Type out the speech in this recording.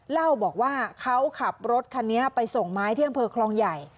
เล่าบอกว่าเขาขับรถคันนี้ไปส่งไม้ที่อำเภอคลองใหญ่